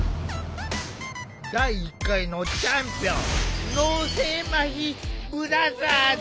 第１回のチャンピオンコント